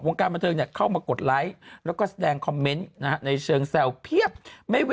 วงการบัตเทิงแล้วเข้ามากดไลค์แล้วก็แจงคอมเม้นท์ใต้เกลงแซวเบียดไม่